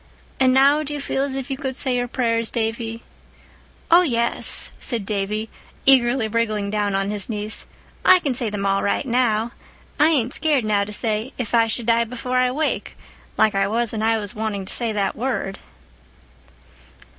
And now do you feel as if you could say your prayers, Davy?" "Oh, yes," said Davy, eagerly wriggling down on his knees, "I can say them now all right. I ain't scared now to say 'if I should die before I wake,' like I was when I was wanting to say that word."